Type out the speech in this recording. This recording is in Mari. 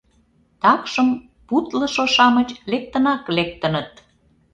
Такшым путлышо-шамыч лектынак лектыныт.